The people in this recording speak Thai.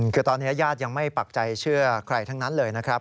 คือตอนนี้ญาติยังไม่ปักใจเชื่อใครทั้งนั้นเลยนะครับ